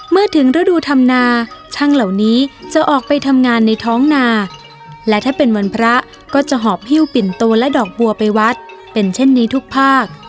เมื่อถึงฤดูธรรมนาช่างเหล่านี้จะออกไปทำงานในท้องนาและถ้าเป็นวันพระก็จะหอบฮิ้วปิ่นโตและดอกบัวไปวัดเป็นเช่นนี้ทุกภาค